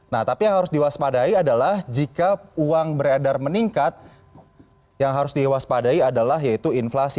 nah tapi yang harus diwaspadai adalah jika uang beredar meningkat yang harus diwaspadai adalah yaitu inflasi